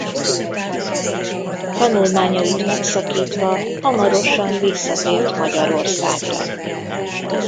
Tanulmányait megszakítva hamarosan visszatért Magyarországra.